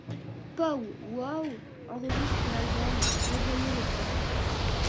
Pow Wow enregistre l'album Regagner les plaines.